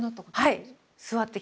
はい。